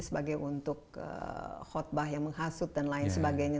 sebagai untuk khutbah yang menghasut dan lain sebagainya